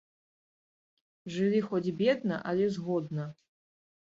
Жылі хоць бедна, але згодна.